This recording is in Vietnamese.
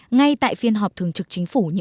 ngay tại phiên họp thường trực chính phủ